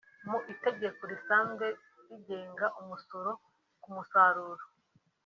Mu itegeko risanzwe rigenga umusoro ku musaruro